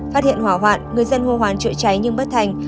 phát hiện hỏa hoạn người dân hô hoán chữa cháy nhưng bất thành